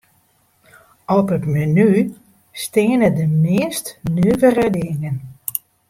Op it menu steane de meast nuvere dingen.